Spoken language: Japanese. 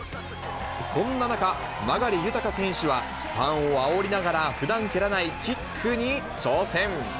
そんな中、流大選手は、ファンをあおりながら、ふだん蹴らないキックに挑戦。